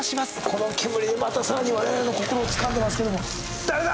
この煙でまたさらに我々の心をつかんでますけども誰だ？